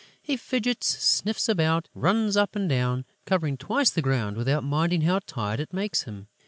He fidgets, sniffs about, runs up and down, covering twice the ground without minding how tired it makes him.